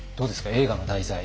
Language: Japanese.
映画の題材。